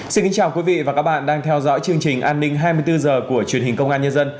xin kính chào quý vị và các bạn đang theo dõi chương trình an ninh hai mươi bốn h của truyền hình công an nhân dân